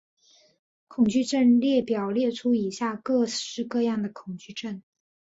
恐惧症列表列出以下各式各样的恐惧症。